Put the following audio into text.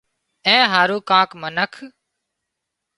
اين هارو ڪانڪ منک